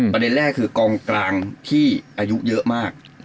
ประเด็นแรกคือกองกลางที่อายุเยอะมาก